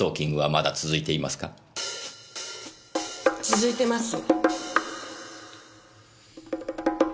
続いてます。